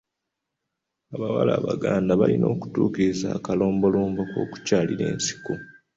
Abawala Abaganda balina okutuukiriza akalombolombo k’okukyalira ensiko.